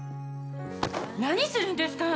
何するんですか？